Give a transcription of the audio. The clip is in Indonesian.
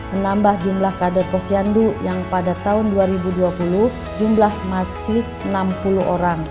menambah jumlah kader posyandu yang pada tahun dua ribu dua puluh jumlah masih enam puluh orang